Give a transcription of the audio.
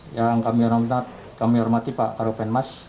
yang kami hormati pak karupen mas